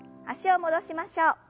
脚を戻しましょう。